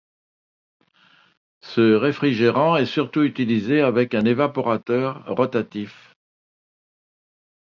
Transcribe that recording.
Ce réfrigérant est surtout utilisé avec un évaporateur rotatif.